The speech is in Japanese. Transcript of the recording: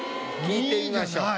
聞いてみましょう。